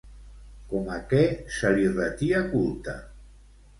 Com a què se li retia culte?